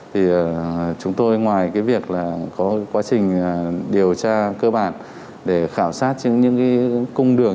thì chúng tôi ngoài cái việc là có quá trình điều tra cơ bản để khảo sát trên những cái cung đường